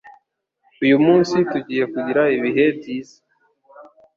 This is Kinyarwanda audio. Uyu munsi, tugiye kugira ibihe byiza!